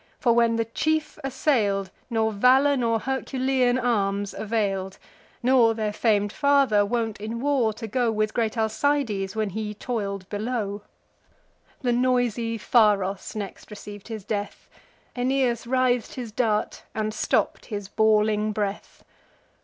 for, when the chief assail'd, Nor valour nor Herculean arms avail'd, Nor their fam'd father, wont in war to go With great Alcides, while he toil'd below. The noisy Pharos next receiv'd his death: Aeneas writh'd his dart, and stopp'd his bawling breath.